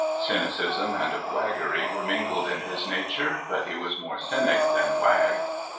Cynicism and waggery were mingled in his nature, but he was more cynic than wag.